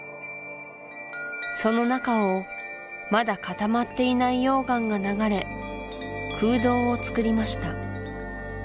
その中をまだ固まっていない溶岩が流れ空洞をつくりました